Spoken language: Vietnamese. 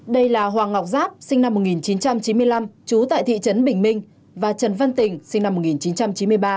đây là hoàng ngọc giáp sinh năm một nghìn chín trăm chín mươi năm trú tại thị trấn bình minh và trần văn tình sinh năm một nghìn chín trăm chín mươi ba